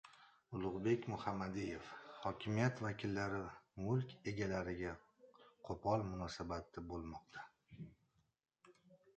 Ulug‘bek Muhammadiyev: «Hokimiyat vakillari mulk egalariga qo‘pol munosabatda bo‘lmoqda»